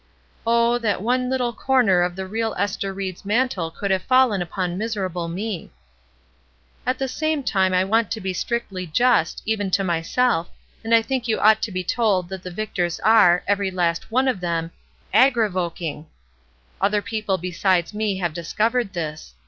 Oh, that one little corner of the real Ester Ried's mantle could have fallen upon miserable me 1 ''At the same time I want to be strictly just, even to myself, and I think you ought to be told that the Victors are, every last one of them, 'aggrivoking/ Other people besides me have discovered this.